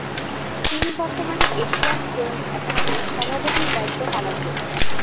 তিনি বর্তমানে Asian film একাডেমির সভাপতির দায়িত্ব পালন করছেন।